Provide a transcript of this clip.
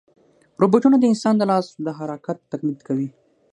روبوټونه د انسان د لاس د حرکت تقلید کوي.